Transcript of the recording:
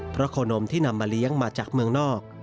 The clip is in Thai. เพราะโคนมที่นำมาเลี้ยงมาจากเมืองนอก